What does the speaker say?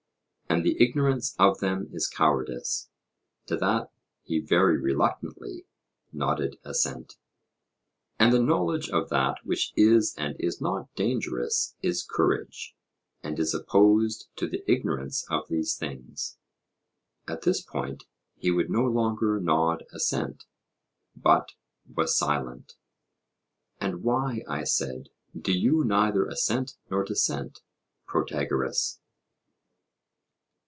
And the ignorance of them is cowardice? To that he very reluctantly nodded assent. And the knowledge of that which is and is not dangerous is courage, and is opposed to the ignorance of these things? At this point he would no longer nod assent, but was silent. And why, I said, do you neither assent nor dissent, Protagoras?